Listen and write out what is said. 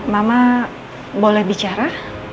mama boleh bicara